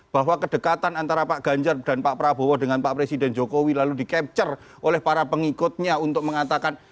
bahwa kedekatan antara pak ganjar dan pak prabowo dengan pak presiden jokowi lalu di capture oleh para pengikutnya untuk mengatakan